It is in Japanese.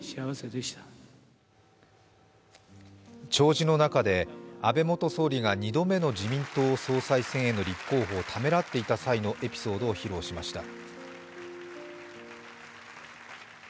弔辞の中で安倍元総理が２度目の自民党総裁選への立候補ををためらっていた際のエピソードを披露しました。